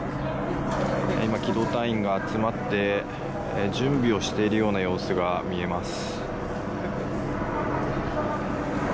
今、機動隊員が集まって準備をしているような様子が見えます。